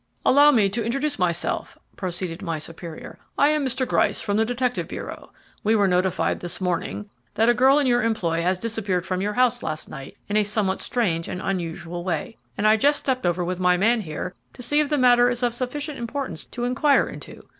"Allow me to introduce myself," proceeded my superior. "I am Mr. Gryce from the detective bureau. We were notified this morning that a girl in your employ had disappeared from your house last night in a somewhat strange and unusual way, and I just stepped over with my man here, to see if the matter is of sufficient importance to inquire into.